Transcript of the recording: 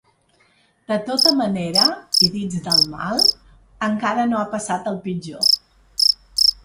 De tota manera, i dins del mal, encara no ha passat el pitjor.